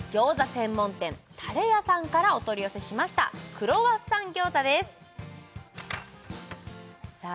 専門店たれ屋さんからお取り寄せしましたクロワッサン餃子ですさあ